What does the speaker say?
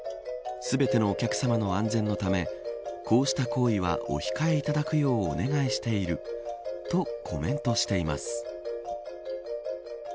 全てのお客さまの安全のためこうした行為はお控えいただくようお願いしているとコメントしてます。